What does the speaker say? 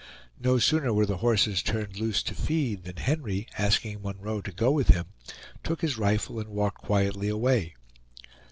No sooner were the horses turned loose to feed than Henry, asking Munroe to go with him, took his rifle and walked quietly away.